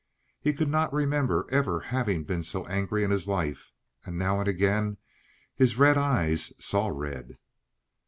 He could not remember ever having been so angry in his life; now and again his red eyes saw red.